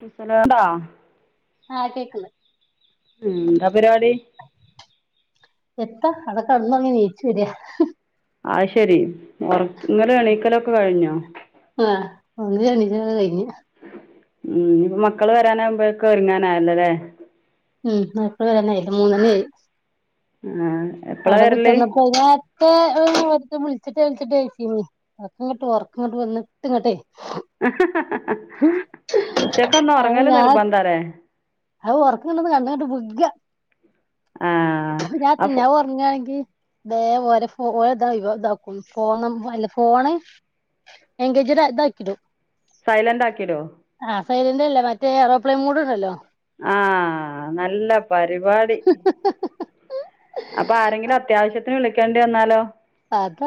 [unintelligible] ഉം എന്താ ആഹ് കേക്ക്ണ്ട് പരിപാടി എത്താ അങ്ങ് ജയിച്ചു വരിയാ ആ ശെരി ഇങ്ങനെ എണീക്കലൊക്കെ കഴിഞ്ഞോ ആഹ് ഒന്ന് എണീച്ച് കഴിഞ്ഞ് ഉം ഇനീപ്പം മക്കള് വരാനാവുമ്പോയിക്ക ഒരുങ്ങാനാന്ന ല്ലേ ഉം മക്കള് വരണേയിരിക്കും മൂന്നല്ലേ ആ എപ്പളാ അടെ വരല് കുത്തന്നപ്പോ കഴിഞ്ഞ [unintelligible] വിച്ചിട്ട് വിച്ചിട്ട്മതി അപ്പൊ ഉറക്കം ക്കതെ വന്നിട്ട് എങ്ങട്ടെ ഉച്ചക്ക് ഒന്ന് അത് ഉറങ്ങല്ല ഞാൻ നിർബന്ധല്ലേ അത് ഒറക്കങ്ങട്ട് കണ്ണ്ങ്ങട്ട് വിഗ്ഗ ആ അപ്പൊ തെ ദോരു ഫോ ഇത ഫോൺ അല്ല ഫോണ് എങ്കേജഡ് ഇതാക്കിട്ടും സൈലന്റ് ആക്കിടോ സൈലന്റല്ല മറ്റേഏറോപ്ലെൻ മൂഡ് ഉണ്ടല്ലോ ആ നല്ല പരിപാടി അപ്പൊ ആരെങ്കിലും അത്യാവശ്യത്തിനന് വിളി വിളിക്കേണ്ടി വന്നാലോ അത്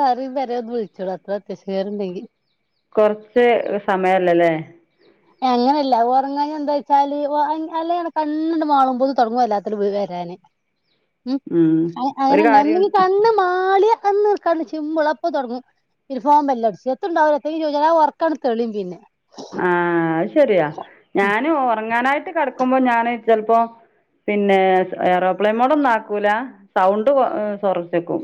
വിളിച്ചോളും അത്ര അത്യാവിശ്യകാരുണ്ടെങ്കിൽ കൊറച്ച് സമയല്ലല്ലേ അങ്ങനെയല്ല ഉറങ്ങാഞ്ഞ എന്താ വെച്ചാല്, അല്ല കണ്ണിങ്ങട്ട് പാളുമ്പം തുടങ്ങും എല്ലാത്തിന്റെ വിളി വരാന് ഉം, ഒരു അങ്ങനെണ്ടാ എന്തെങ്കി കാര്യം കണ്ണ് മാടിയ ഒന്ന് കണ്ണ് ചിമ്പിള അപ്പൊ തുടങ്ങും പിന്ന ഫോൺ ബല്ല് അടിച്ചു, എത്തുണ്ടാവ ഉറക്കങ്ങ്. തെളിയും പിന്നെ ആ ആ അത് ശെരിയാ, ഞാന് ഉറങ്ങാനായിട്ട് കടക്കുമ്പോ ഞൻ ചിലപ്പോ പിന്നെ എറോപ്പേൻ മൂഡ് ഒന്നും ആക്കൂല, സൗണ്ട് കുറച്ച് വയ്ക്കും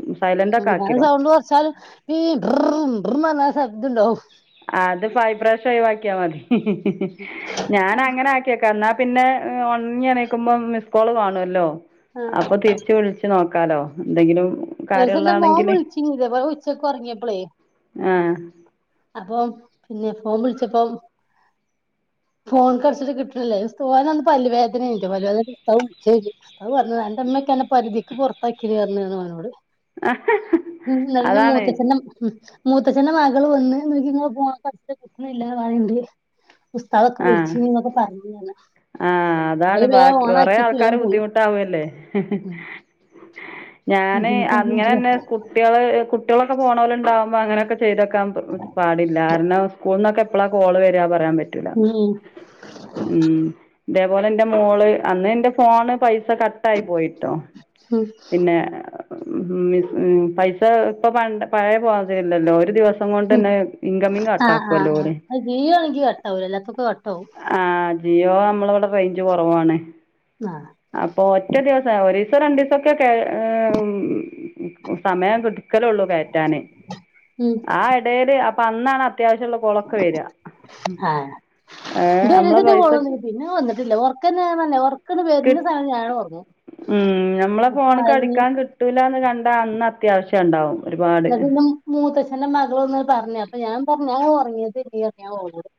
ഉം, സൗണ്ട്‌ കുറച്ചാല് [unintelligible] ശബ്ദുണ്ടോ ആ, അത് വൈബ്രേഷൻ ആയി ആക്കിയാ മതി ഞാൻ അങ്ങനെ ആക്കിയക്ക എന്നാ പിന്നെ ഉറങ്ങി എണീക്കുമ്പോ മിസ് കോള് കാണുവല്ലോ ആഹ് അപ്പൊ തിരിച്ച് വിളിച്ച് നോക്ക നോക്കാലോ എന്തെങ്കിലും ഒരു ദിവസം എന്റെ മോൻ കാര്യള്ളാണെങ്കില് വിളിച്ച് ഉച്ചക്കെ ഉറങ്ങിയപ്പളേ ആഹ് അപ്പം പിന്നെ ഫോൺ വിളിച്ചപ്പം ഫോൺ കടിച്ചിട്ട് കിട്ടന്നില്ല, പല്ല് വേദന ഉണ്ട്, അപ്പോ, [unintelligible] പറഞ്ഞ എന്റെമ്മക്കെെ പരിധിക്ക് പുറത്താക്കി പറഞ്ഞിരുന്നു അവനോട്. ഉം, നല്ല. അതാണ് മൂത്ത മൂത്തച്ഛന്റെ മകൾ വന്ന് നോക്കി ഇങ്ങള് പോകാൻ പറഞ്ഞിട്ട് പോന്നില്ല, താഴെയിണ്ട് ആഹ ആഹ അതാണ് അയില് വേം ബാക്കി ഒറെേ ഓണാക്കിട്ട് വേം ആൾക്കാര് പോയി ബുദ്ധിമുട്ടാവുംല്ലേ ഉം ഞാന് ഉം അങ്ങനെന്നെ കുട്ടികള് കുട്ടികളൊക്കെ പോണോലുണ്ടാവുമ്പോ അങ്ങനെയക്കെ ചെയ്തക്കാൻ പാടില്ല കാരണം സ്കൂളന്നൊക്കെ എപ്പളാ കോള് വരിക എന്ന് പറയാൻ പറ്റില്ല ഉം ഇതേപോലെ എന്റെ മോള് അന്ന് എന്റെ ഫോണ് പൈസ കട്ടായി പോയിട്ടോ, ഉം പിന്നെ മ് മ് പൈസ ഇപ്പ പണ്ട പഴയമാതിരി ഒരു ദിവസം മ് കൊണ്ടന്നെ ഇൻകമിങ് ആ ആ ആ കട്ടാക്കുവല്ലോ [unintelligible] ഓല് കട്ടാവൂലാലേ ക്ക് കട്ട്‌ ആവും ഇയ്യോ അമ്മളവിടെ റേഞ്ച് കൊറവാണ് ആഹ് അപ്പൊ ഒറ്റ ദിവസവര് രിസോരണ്ടിസോക്കെ ക്കെ മ് സമയം കിട്ട ക്കലുള്ളൂ കേറ്റാന് ഉം ആ എടേല് അന്നാണ് അത്യാവശ്യവൊള്ള കോളൊക്കെ വര്വ [unintelligible] പിന്നെ വന്നിട്ടില്ല ഒറക്കന്നെ നല്ല ഒറക്കന്ന് കി വരുന്ന സാധനം ഞാനൊറങ്ങും ഉം ഇപ്പൊ ഞ്ഞി ട്ടെന്ന് കണ്ടാൽ അന്ന് അത്യാവശ്യണ്ടാവും എന്നിട്ട് പിന്നെ മൂത്തച്ഛന്റെ മകള് വന്ന് പറഞ്ഞ് അപ്പൊ ഞാ പൊ ഞാൻ ഒറങ്ങിയതേല്യാ ഞാൻ ഓളോട്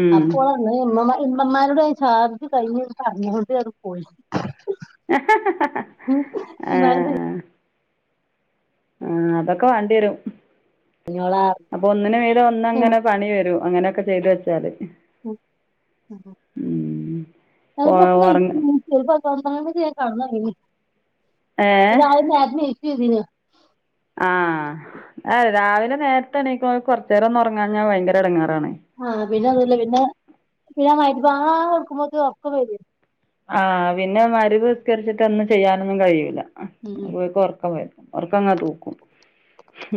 ഉം അപ്പോഴൊഓൾ പാർഞ് ഇമ്മമാരുടെ ചാർജ് കഴിഞ്ഞ്ന്ന് പറഞ്ഞുകൊണ്ട് അത് പോയി ഇമ്മാനത് ആ ആ അതൊക്കെ വേണ്ടിരും കഴിഞ്ഞോളാ അപ്പൊ ഒന്നിനു മീതേ ഒന്നങ്ങനെ പണി വരൂ അങ്ങനെയൊക്കെ ചെയ്തു വെച്ചാല് [unintelligible] ഉം ഓ പൊതപ്പിച്ച് ഉറങ്ങ ഞാൻ കെടന്നോറങ്ങി ഏ രാവിലെ നേരത്തെ ന്നിച്ച് ചെയ്തീന് ആ അ രാവി നേരത്തെ എണീക്കണോൽ കൊറച്ചേരം ഒന്നൊറങ്ങാഞ്ഞാൽ ഭയങ്കര എടങ്ങേറാണ് ആ പിന്നെ അതല്ല പിന്നെ പിന്നെ മൈറ്റ് പാങ്ങാന്നോർക്കുമ്പോക്ക് ഒറക്കംവരുവെ ആ പിന്നെ മരുവ്വിസ്കരിച്ചിട്ടൊന്നും ചെയ്യാനൊന്നും കഴിയൂല്ല ആ ഉം ഓൾക്ക് ഒറക്കം വര് ഒറക്കാങ്ങാ തൂക്കും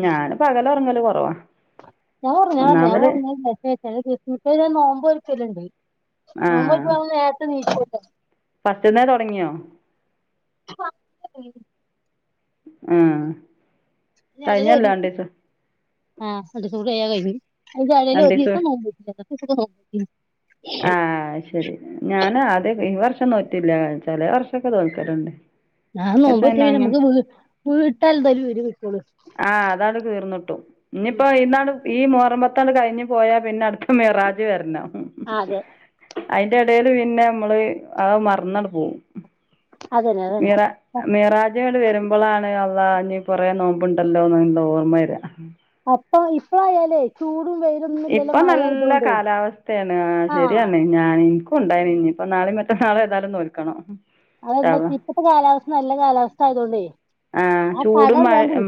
ഞാന് പകലൊറങ്ങല് കൊറവാ ഞാ ഒറങ്ങാറ്ണ്ട് ഞാ ഒന്നാമത് ഒറങ്ങല്ണ്ട് [unintelligible] നോമ്പ് ലിണ്ട് ഓൻ മിക്കവാറും നേരത്തെ ന്നീക്കും [inaudible] പത്ത്ന്നേ തൊടങ്ങിയോ ആഹ എവിടെ ജോലി ആഹാ രണ്ടുസകൂടി കഴിഞ്ഞാൽ കഴിഞ്ഞു [unintelligible] ഇതിന്റെ യെടയിൽ ഒരീസം നോമ്പ്ടുത്തു [unintelligible] ആഹ ശരി ഞൻ ആദ്യക്കെ ഈ വർഷ നോറ്റില്ല ചേലെ വർഷൊക്കെ നോൽകലുണ്ട് അ നോമ്പേൽറ്റൽ പിന്നെ വീട്ടൽ [unintelligible] ആഹ അതാണ് തീർന്നിട്ടും ഉം ഇനിയിപ്പോ ഐന്നാണ്ട് ഈ മോഹറം പത്താണ്ട് കഴിഞ്ഞു പോയാ പിന്നെ അടുത്ത മിറാജ് വരണം അതെ അതിന്റെ ഇടെൽ പിന്നെ നമ്മള് അ മറന്നങ്ങനെ പോകും അതന്നെ അതന്നെ മീറ മീറാജ് വരുമ്പോളാണ് അള്ളാ ഞ്ഞി കുറേ നോമ്പ് ഇപ്പണ്ടല്ലോല്ല ഓർമ്മവരാ ഇപ്പ ഇപ്പഴയാലേ ചൂട് ഇപ്പം നല്ല കാലാവസ്ഥേണ് ആ ശരിയാണ് ഞാൻ ഇൻ ക്കും ഉണ്ടായിനി ഇ ഞ്പ്പ നാളിം മറ്റന്നാളും ഏതായാലും നോൽക്കണം ഇൻഷാ അള്ളാ അതെന്തുപറ്റി ഇപ്പത്തെ കാലാവസ്ഥ നല്ല കാലാവസ്ഥ ആയതോണ്ടേ ആഹ് ചൂടും മഴ ഉം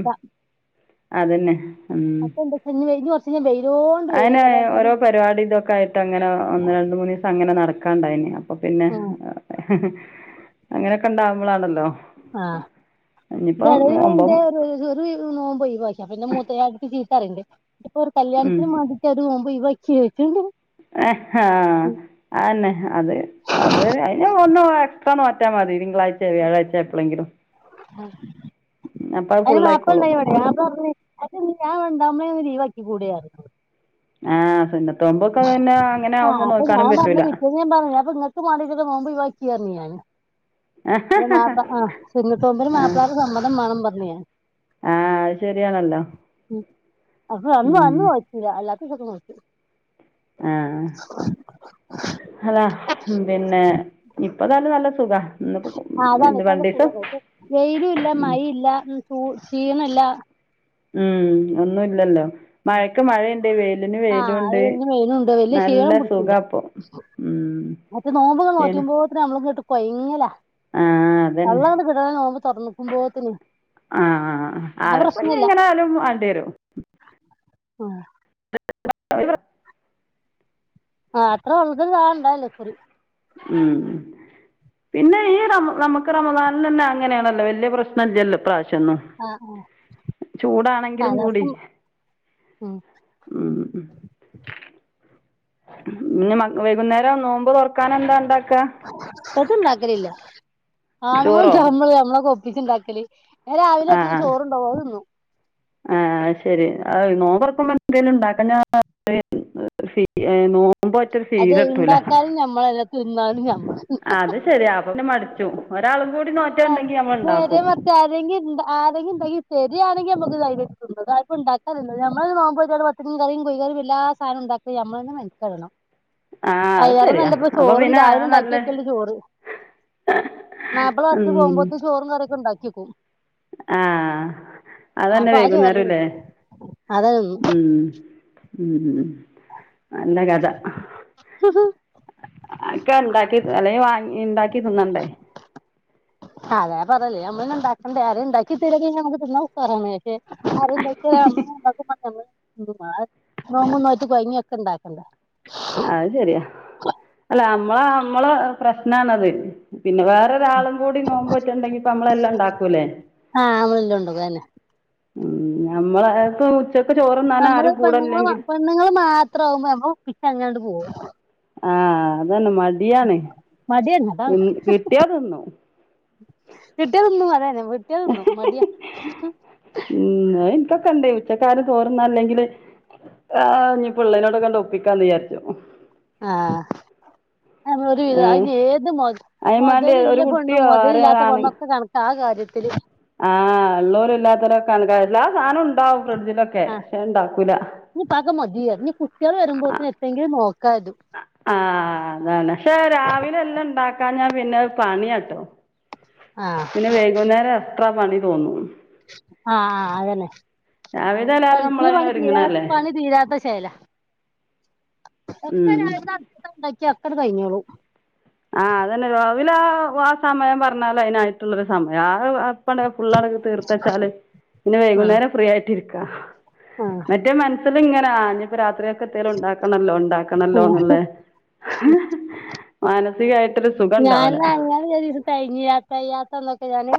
അതന്നെ ഉം അപ്പൊ എന്താ വെച്ചാ ഇനി വെ- ഇനി കുറച്ച് ഞാൻ വെയിലോണ്ട് അഅനെ വെയിലൊക്കെ ഓരോ എന്നാലും പരിപാടിം ഇതൊക്കെ ആയിട്ട് അങ്ങനെ ഒന്ന് രണ്ട് മൂന്ന് ദിവസം അങ്ങനെ നട ക്കാണ്ടായിനി അപ്പപിന്നെ ഉം, അങ്ങനൊക്കെ ഉണ്ടാവുമ്പളാണല്ലോ ആഹ് [unintelligible] ഒമ്പ നോമ്പ് ഒഴിവാക്കി അപ്പ പിന്നെ [unintelligible] ത്തറ്യണ്ട്യെ ഇപ്പൊ ഒരു കല്യാണത്തിന് മാണ്ടിട്ട് ഒരു നോമ്പ് ഒഴിവാ ചിരിക്കണ്ട യെ ഹ അഅന്നെ അത് അത് ഒര് അയ്ന് ഒന്ന് ഒയക്കണ [unintelligible] മതി തിങ്കളാഴ്ചയോ വ്യാഴാഴ്ചയോ എപ്പോഴെങ്കിലും അപ്പോൾ അത് അയിന് ഫുൾ മാപ്പള ആയിക്കോളും ഇണ്ടായിന്നു ഇവിടെ മാപ്പള പർഞ്ഞ് എത്തണ്ണീ ഞാവടെ [unintelligible] സമയം [unintelligible] ലീവാക്കി കൂടെ ർഞ് ഇന്നോട് ആഹ് പിന്നെ അങ്ങനെ ആഹ് ആവുമ്പോൾ അപ്പൊ ഞാൻ നോക്കാനും പറഞ്ഞ് പറ്റില്ല പിറ്റേന്ന് ഞാൻ പറഞ്ഞു ഞാപ്പം ഇങ്ങൾക്ക് മാണ്ടിട്ടൊര് നോമ്പ് ഒഴിവാക്കി പറഞ്ഞു ഞാന് അപ്പോ മാപ്പള ആ സുന്നത്ത് നോമ്പിന് ആ മാപ്പളാരെ സമ്മതം മാണം പർ [unintelligible] ആ അത് ശരിയാണല്ലോ ഉം അപ്പൊ അന്നു ഉം അന്നു നോറ്റീല്ല അല്ലാ ത്തൊക്കെ നോറ്റ് ആഹ് അതാ പിന്നെ ഇപ്പതാലും നല്ല സുഖാ ആ അതാണ് ഇപ്പ നല്ല സുഖ വെയിലും ഇല്ല ഉം മയില്ല്യാ ചൂ ക്ഷീണല്ല ഉം ഒന്നുംല്ലല്ലോ മഴക്ക് മഴേം ആഹ് അത് ഇന്ന് വെയ്ലുണ്ട് വല്യ നല്ല ശീണം പുട്ച്ചൂല സുഖാപ്പൊ ഉം മറ്റേ നോമ്പ് ങ്ങട്ട് ശരി നോറ്റുമ്പോതിന് നമ്മൾക്ക് ഇങ്ങട്ട് കൊയ്ങ്ങല ആ അതന്നെ വള്ളാണ്ട് [unintelligible] നോമ്പ് തൊർന്ന്ക്കുംമ്പോത്ത് ന് ആഹ് അ ഇപ്പം ഇഞെങ്ങനെ ആയാലും മാണ്ട്യേരും ആ [unintelligible] ആ അത്ര പറഞ്ഞിട്ടും കരയില്പത് [unintelligible] ഉം പിന്നെ ഈ റമ നമുക്ക് റമദാന തന്നെ അങ്ങനെയാണല്ലോ വലിയ പ്രശ്നല്ലല്ലോ ഇപ്രാവശ്യം ചെന്ന് ആ ചൂടാണെങ്കിലും കൂടി കാലാവസ്ഥ ഉം ഉം പിന്നെ മഗ് വൈകുന്നേരം നോമ്പ് തുറക്കാന എന്താണ്ട [unintelligible] ഇണ്ടാക്കലില്ല ആണുങ്ങൾ ചോറോ [unintelligible] വിജുണ്ടാക്കല് രാവിലൊക്കെണേ ചോറുണ്ടുവാ അതിന്നും ആഹ് ശരി അ നോമ്പറക്കുമ്പോ ത്തിനും ഉണ്ടാക്ക നോ അത് ഇണ്ടാക്കാനും ഞമ്മളെഞ്ഞെ തിന്നാലും ഞമ്മളെന്നെ പിന്നേ മടിച്ചു ഒരാള് ആഹ് നേരെ മറിച് ആരെങ്കിണ്ട ആരെങ്കി ണ്ടെങ്കിൽ സരിയ ക്കി നമക് ധൈര്യായിട് തിന്ന താ ഇപ്പോ ഉണ്ടാക്ക തിന്നത് നമ്മെ നോമ്പെടുത് കുറച് മീൻ കറിം കോയ് കറിം എല്ലാ സാധനോം ഉണ്ടാക്കി നമ്മെന്നെ മെൻകെടണം ആ അത് അയലേറെ ശരിയാ നല്ലപ്പ അപ്പൊ ചോറും പിന്നെ ചായേം നല്ല ണ്ടാക്കിവെച്ചിട്ടുണ്ട് ജോറ് മാപ്പിള പോവുമ്പോഴത്തിനും ചോറും കറിം ഉണ്ടാക്കിക്കു ഓ ആഹ് അതന്നെ അപ്പൊ ആ ചോറന്നെ വൈകുന്നേരും ല്ലേ തിന്നും അതന്നെ തിന്നും ഉം ഉം നല്ല കഥ ആഹ് ക്ക ഉണ്ടാക്കി അല്ലെങ്കി വാങ്ങി ഇ ണ്ടാക്കി തിന്നണ്ടേ അതാ പറഞ്ഞല്ലേ ഞമ്മള്ളെന്നെ ണ്ടാക്കണ്ടെ ആരേണ്ടാക്കി തെരാണെങ്കി നമ്മക്ക് തിന്നാ ഉഷാറാണ് പക്ഷെ അതെന്തായിപ്പ [unintelligible] നോന്ന നോട്ട് കൊഴങ്ങിയ ഒക്കെ ഇണ്ടാക്കണ്ടേ അത് ശരിയാ അല്ല നമ്മള നമ്മള പ്രശ്നാണത് പിന്നെ വേറൊരാളും കൂടി നോമ്പോറ്റണ്ടെങ്കി പ്പ നമ്മളെല്ലാ ഉണ്ടാക്കൂലേ ആഹ് നമ്മളെല്ലാം ഉണ്ടാക്കും അതന്നെ ഉം നമ്മളെയകു നമ്മള് പെണ്ണുൾ പെണ്ണുങ്ങള് മാത്രാവുമ്പോ നമ്മ ഒപ്പിച്ച അങ്ങനട് ഓഹ് ആഹ് അതന്നെ മടിയാണ് മടിയാണ് ത് അതാണ് കിട്ടിയാ തിന്നും യെസ് വെട്ടിയതന്നു മടിയാ ച്ചക്കാരും ചോറ്ന്നാല്ലെങ്കില് ആ ഞ്ഞി ഇള്ളേനൊക്കൊണ്ടൊക്കാണ്ട് ഒപ്പിക്കാന്ന് വിചാരിച്ചു ആഹ് അ ഒരു വിധ ഏഹ് അതി ഏത് അയിനും മാണ്ടി ഒരു മൊതലില്ല പെണ്ണും കുട്ടിയോ മൊതലില്ലാത്ത പെണ്ണും ഒക്കെ കണക്ക ആ കാര്യ ഇത്തി ആ ള്ളോരും ഇല്ലാത്തവരൊക്കെ [unintelligible] എല്ലാ സാനും ണ്ടാവും ആ നീ പക്ക മതിയ നീ കുട്ടികൾ വരുമ്പോത്തിന് എന്തെങ്കിലും നോക്ക ആഹ് അതാണ് പക്ഷെ രാവിലെ എല്ലം ഇണ്ടാക്കാ ഞാൻ പിന്നെ അത് പണിയാട്ടോ ആഹ് പിന്നെ വയ്ഗുന്നേരം അത്ര പണി തോന്നൂ ആഹ് ആ അതന്നെ രാവിലെ എല്ലാരും പൽക്കിയ നമ്മളതിന് പണി തീരാ ഒരുങ്ങണല്ലേ പണി തീരാത്ത ചേല ഒക്കെ ഉം രാവിലെ ഇന്നാ അട്പ്പത്താ ഇണ്ടാ [unintelligible] കഴിഞ്ഞോളും ആഹ് അതന്നെ രാവില ആ സമയം പറഞ്ഞാല അയിനായിട്ടുള്ളൊരു സമയ അത്‌ അപ്പണ ഫുള്ളടക്ക് തീർത്ത് വെച്ചാല് പിന്നെ ആഹ് വൈകുന്നേരം ഫ്രീ ആയിട്ടിരി ആഹ് [unintelligible] മറ്റേ മൻ അവ്ട്ന്ന് ഇങ്ങനാഞപ്പോ രാത്രിയൊ ഇപ്പത്തേലൊണ്ടാക്കണല്ലോ ആഹ് ഒണ്ടാക്കണല്ലോന്നുള്ള [unintelligible] ഞാന് ഇത അങ്ങനെ ഒരു ദിവസം തെയ്ഞ്ഞില. തെയാത്തന്നൊക്കെ ഞാന്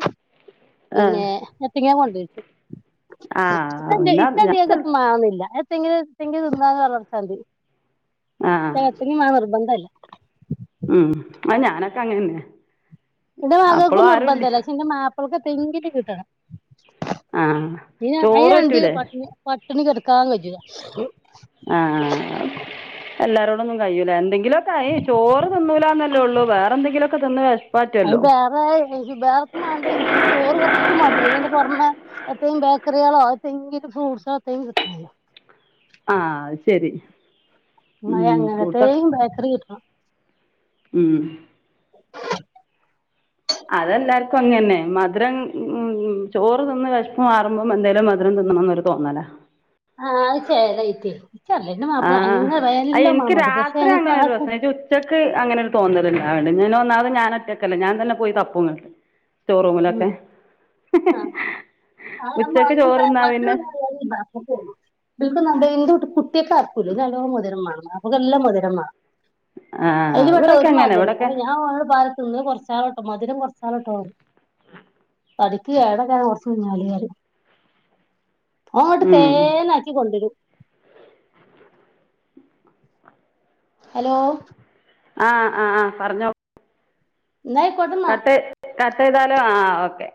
ആ പിന്നെ എത്തങ്ങേ കൊണ്ടരിച്ചു ആഹ് പിന്ന ഞാൻ ചെൽ ല്ല എത്തെങ്കിലും എത്തെങ്കിലും തിന്നാന്ന് പറഞ്ഞൊട്ത്താ മതി. ആ ഇപ്പയ്ന് എത്തെങ്കിലും മാണംന്ന് നിർബന്ധല്ല. ഉം അത് ഞാനൊക്കെ അങ്ങനന്നെ. എന്റെ മകൾക്കും നിർബന്ധംല്ല പക്ഷെ എന്റെ മാപ്പിൾക്കെ തെങ്കില് കിട്ടണം ആ ചോറ് പറ്റൂലേ പട്ടിണിടുക്കാതെ [unintelligible] ആഹ എല്ലാരും ന്ന കഴയില്ല എന്ത ങ്കിലൊക്കെ ആ ചോറ് തിന്നൂലന്നല്ലേ ഉള്ളൂ വേറെ എന്തെങ്കിലുമൊക്കെ അത് തിന്നഷപ്പാറ്റല്ലോ വേറെ വേറെക്കും വേണ്ട ഈ എപ്പളും ബേക്കറികളോ എത്തങ്കിലും ഫ്രൂട്ട്സോ [unintelligible] വേണം ആ അത് ശരി ന ഉം അങ്ങനത്തെെയ ഫ്രൂട്ട്സൊക്കെ ബേക്കറി കിട്ടണം ഉം അതെല്ലാർക്കും അങ്ങനനെ മധുരം ഉ ചോറ് തിന്ന് വെഷ്പ് മാറുമ്പോം എന്തെലും മധുരം തിന്നണംനന്ന് ഒരു തോന്നല ആഹ് [unintelligible] ആ അ എനിക്ക് മതി പക്ഷെ രാത്രി ഞങ്ങൾക്ക് അങ്ങനെ ആർക്കും ഒരുസനേച്ചി ഉച്ചക്ക് അങ്ങനെ ഒരു തോന്നറണ്ട് അടെങ്ങനെ ഒന്നാതെ ഞാന ഒറ്റക്കല്ല ഞാൻ തന്നെ പോയി തപ്പങ്ങ് ഉ ആ ആ ന ഉച്ചക്ക് ന ചോറ് തിന്നാൽ പിന്നെ എ കുട്ടിയൊക്കെ പുല നല്ലോ മധുര വേണം അപ്പൊെല്ലാം മധുരമാണ്ണം ആ അതിൽ പെട്ട ഇവിടെയൊക്കെ ഒരു അങ്ങനെ മാകന് ഇവിടെയൊക്കെ അപ്പൊ ഞാൻ ഓനോട്‌ പറ ന്ന് കുറച്ചാൾോട്ടോ മധുംറച്ചാൾോട്ടോ തഠക്ക് ഏടക്കെ കുറച്ച് കഞ്ഞാല അങ്ങോട്ട് തേനക്കി കൊണ്ടുവരും ഹലോ ആ ആഹ് ആഹ് പറഞ്ഞോ ന്ന യികൊട്ടന്ന കട്ട് കട്ട് ചെയ്താലും ആ ഓക്കെ